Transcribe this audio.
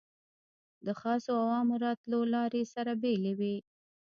د خاصو او عامو راتلو لارې سره بېلې وې.